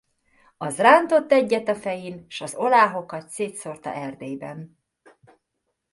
Az rántott egyet a fejin s az oláhokat szétszórta Erdélyben.